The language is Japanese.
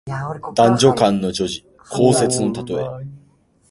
男女間の情事、交接のたとえ。